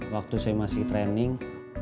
waktu saya masih training